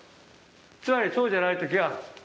つまりそうじゃない時は。